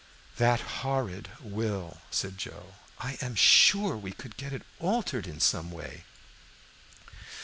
"That horrid will," said Joe. "I am sure we could get it altered in some way."